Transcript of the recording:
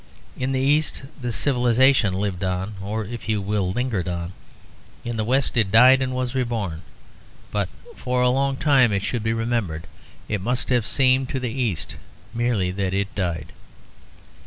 In the East the civilisation lived on, or if you will, lingered on; in the West it died and was reborn. But for a long time, it should be remembered, it must have seemed to the East merely that it died.